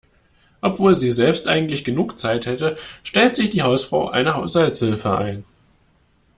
Obwohl sie selbst eigentlich genug Zeit hätte, stellt sich die Hausfrau eine Haushaltshilfe ein.